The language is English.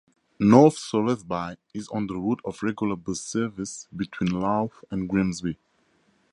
North Thoresby is on the route of regular bus service between Louth and Grimsby.